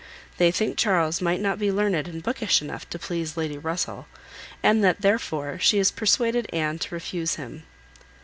They think Charles might not be learned and bookish enough to please Lady Russell, and that therefore, she persuaded Anne to refuse him."